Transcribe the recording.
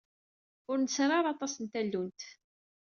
Ur nesri ara aṭas n tallunt.